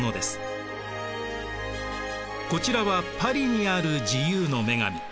こちらはパリにある自由の女神。